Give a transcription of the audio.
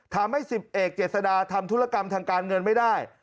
ทำให้๑๐เอกเจษดาทำธุรกรรมทางการเงินไม่ได้